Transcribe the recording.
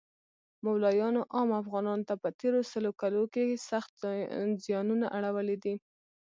مولایانو عام افغانانو ته په تیرو سلو کلو کښی سخت ځیانونه اړولی دی